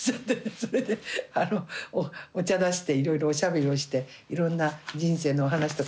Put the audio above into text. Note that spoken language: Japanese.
それでお茶出していろいろおしゃべりをしていろんな人生のお話とかいろいろしましたけど。